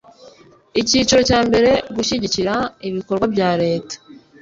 Icyiciro cya mbere Gushyigikira ibikorwa bya leta